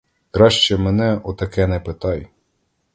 Краще мене о таке не питай.